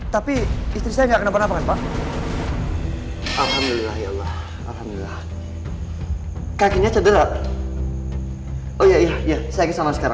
tapi istri saya enggak kenapa napa kan pak alhamdulillah ya allah alhamdulillah kakinya cedera